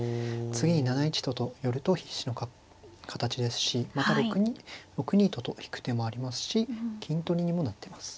次に７一とと寄ると必至の形ですしまた６二とと引く手もありますし金取りにもなってます。